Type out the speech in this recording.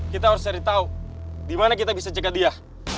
kita harus cari tau dimana kita bisa cekat dia